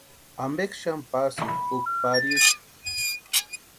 ¿Ampeksï xani pasïni puki pariecha?